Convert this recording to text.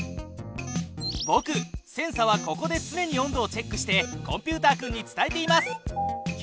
ぼくセンサはここでつねに温度をチェックしてコンピュータ君に伝えています。